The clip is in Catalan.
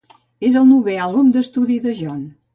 És el novè àlbum d'estudi de John.